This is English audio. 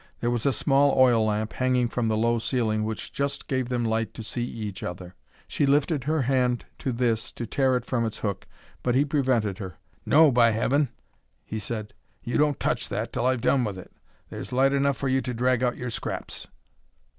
There was a small oil lamp hanging from the low ceiling which just gave them light to see each other. She lifted her hand to this to take it from its hook, but he prevented her. "No, by Heaven!" he said, "you don't touch that till I've done with it. There's light enough for you to drag out your scraps."